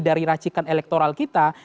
dari racikan elektoral kita